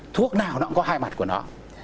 thuốc nào nó cũng có hai mặt của nó